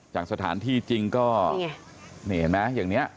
จากสถานที่จริงก็นี่เห็นไหมอย่างนี้